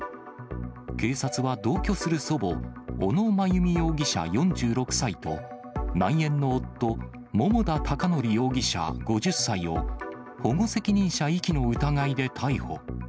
警察は同居する祖母、小野真由美容疑者４６歳と、内縁の夫、桃田貴徳容疑者５０歳を、保護責任者遺棄の疑いで逮捕。